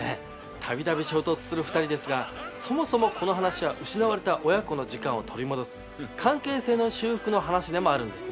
たびたび衝突する２人ですがそもそもこの話は失われた親子の時間を取り戻す関係性の修復の話でもあるんですね。